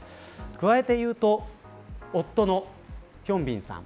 加えて言うと夫のヒョンビンさん